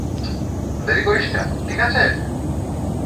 দেরি করিস না, ঠিক আছে?